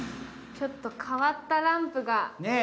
ちょっと変わったランプが。